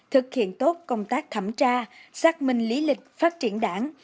thực hiện tốt công tác thẩm tra xác minh lý lịch phát triển đảng